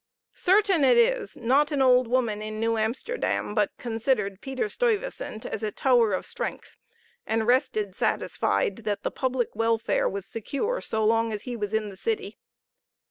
Certain it is, not an old woman in New Amsterdam but considered Peter Stuyvesant as a tower of strength, and rested satisfied that the public welfare was secure, so long as he was in the city.